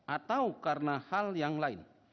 atau karena hal yang lain